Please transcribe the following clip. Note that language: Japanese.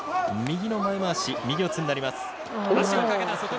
右の前まわし右四つになります。